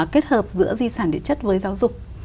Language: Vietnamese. kết hợp giữa di sản địa chất với giáo dục